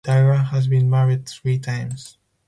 Dira has been married three times.